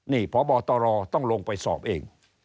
นี่พบตรต้องลงไปสอบเอง